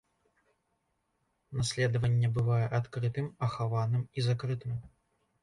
Наследаванне бывае адкрытым, ахаваным і закрытым.